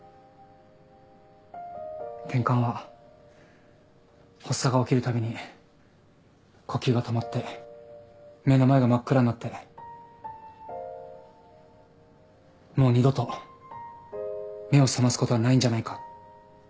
てんかんは発作が起きるたびに呼吸が止まって目の前が真っ暗になってもう二度と目を覚ますことはないんじゃないか。